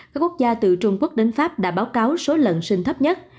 các quốc gia từ trung quốc đến pháp đã báo cáo số lận sinh thấp nhất